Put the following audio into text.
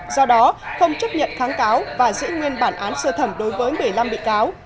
do đó không chấp nhận kháng cáo và giữ nguyên bản án sơ thẩm đối với một mươi năm bị cáo